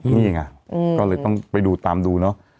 นี่ไงก็เลยต้องไปดูตามดูเนอะ